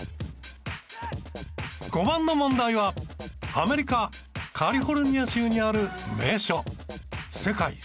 ５番の問題はアメリカカリフォルニア州にある名所。